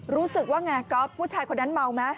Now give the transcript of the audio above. รู้สึกว่าไงก๊อฟผู้ชายคนนั้นเมาไหม